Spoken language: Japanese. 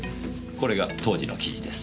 これが当時の記事です。